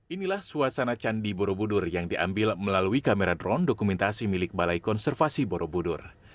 inilah suasana candi borobudur yang diambil melalui kamera drone dokumentasi milik balai konservasi borobudur